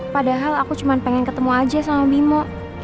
padahal aku cuma pengen ketemu aja sama bimo